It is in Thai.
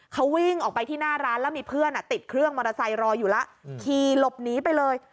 เขาวิ่งออกไปที่หน้าร้านแล้วมีเพื่อนติดเครื่องมอเตอร์ไซค์รออยู่แล้วขี่หลบหนีไปเลย